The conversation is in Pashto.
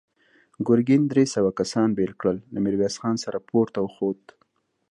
ګرګين درې سوه کسان بېل کړل، له ميرويس خان سره پورته وخوت.